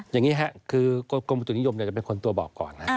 อย่างนี้ค่ะคือกรมอุตถุนิยมจะเป็นคนตัวบอกก่อน